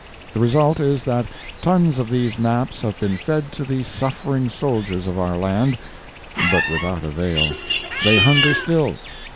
The result is that tons of these maps have been fed to the suffering soldiers of our land, but without avail. They hunger still.